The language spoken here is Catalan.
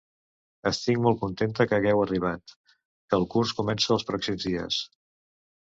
Estic molt contenta que hàgeu arribat, que el curs comença els pròxims dies...